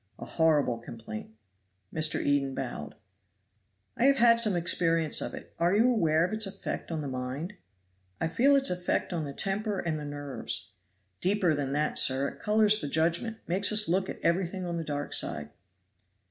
"A horrible complaint." Mr. Eden bowed. "I have had some experience of it. Are you aware of its effect on the mind?" "I feel its effect on the temper and the nerves." "Deeper than that, sir it colors the judgment. Makes us look at everything on the dark side."